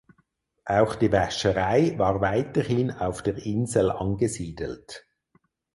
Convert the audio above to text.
Auch die Wäscherei war weiterhin auf der Insel angesiedelt.